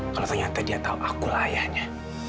kalau ternyata dia tahu akulah ayahnya